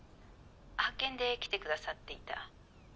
派遣で来てくださっていた。